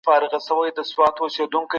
هیوادونه د نوي علم په برخه کي ګډي هڅي کوي.